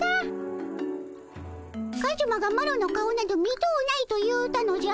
カズマがマロの顔など見とうないと言うたのじゃ。